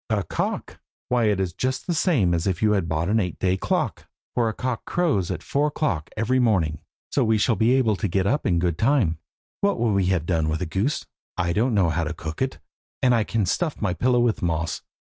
A cock! why it is just the same as if you had bought an eight day clock, for the cock crows at four o'clock every morning, so we shall be able to get up in good time. What could we have done with a goose? I don't know how to cook it, and I can stuff my pillow with moss.